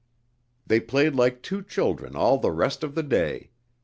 They played like two children all the rest of the day.